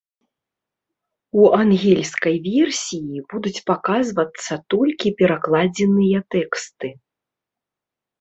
У ангельскай версіі будуць паказвацца толькі перакладзеныя тэксты.